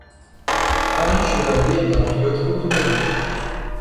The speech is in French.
Alain Chevallier est un pilote automobile.